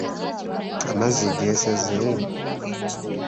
Amazzi geeseze?